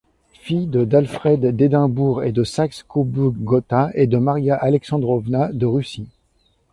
Fille de d'Alfred d'Édimbourg et de Saxe-Cobourg-Gotha et de Maria Alexandrovna de Russie.